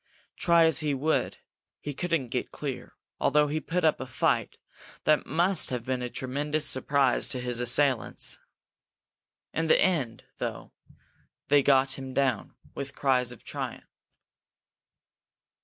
Try as he would, he couldn't get clear, although he put up a fight that must have been a tremendous surprise to his assailants. In the end, though, they got him down, with cries of triumph.